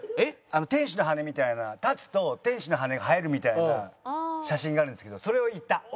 天使の羽みたいな立つと天使の羽が生えるみたいな写真があるんですけどそれを行った。